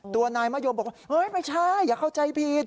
ตัวนายมะยมบอกว่าเฮ้ยไม่ใช่อย่าเข้าใจผิด